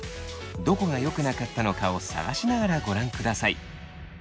どこがよくなかったのかを探しながらご覧ください。